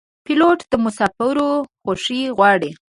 پیلوټ د مسافرو خوښي غواړي.